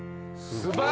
すごい。